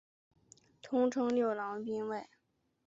通称六郎兵卫。